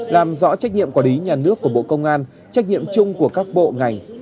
làm rõ trách nhiệm quản lý nhà nước của bộ công an trách nhiệm chung của các bộ ngành